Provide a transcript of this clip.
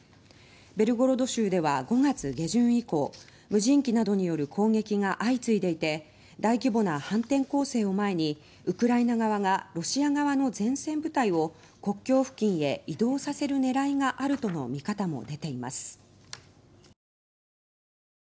ベルゴロド州では５月下旬以降無人機などによる攻撃が相次いでいて大規模な反転攻勢を前にウクライナ側がロシア側の前線部隊を国境付近へ移動させる狙いがあるとの見方も出ています。